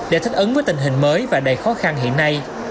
để thích ứng với tình hình mới và đầy khó khăn hiện nay